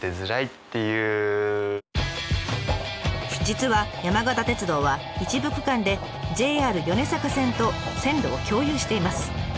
実は山形鉄道は一部区間でＪＲ米坂線と線路を共有しています。